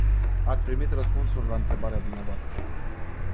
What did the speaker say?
Ați primit răspunsul la întrebarea dvs.